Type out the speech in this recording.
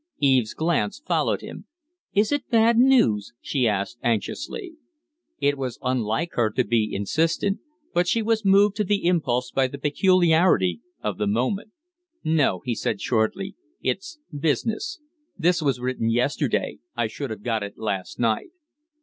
Eve's glance followed him. "Is it bad news?" she asked, anxiously. It was unlike her to be insistent, but she was moved to the impulse by the peculiarity of the moment. "No," he said shortly. "It's business. This was written yesterday; I should have got it last night."